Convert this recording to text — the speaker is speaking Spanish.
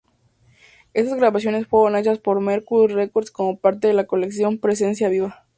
Estas grabaciones fueron hechas por Mercury Records como parte de la colección "Presencia Viva".